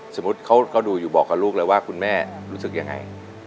สมมุติเขาก็ดูอยู่บอกกับลูกเลยว่าคุณแม่รู้สึกยังไง